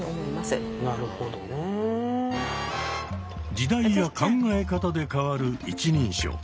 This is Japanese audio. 時代や考え方で変わる一人称。